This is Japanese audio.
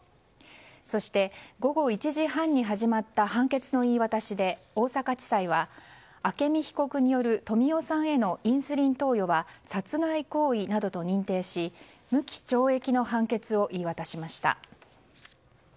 そして午後１時半に始まった判決の言い渡しで大阪地裁は、朱美被告による富夫さんへのインスリン投与は殺害行為などと認定し無期懲役の判決を言い渡しました。